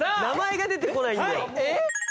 名前が出て来ない。